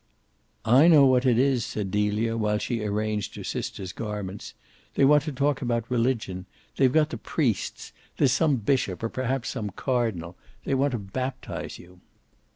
"I know what it is," said Delia while she arranged her sister's garments. "They want to talk about religion. They've got the priests; there's some bishop or perhaps some cardinal. They want to baptise you."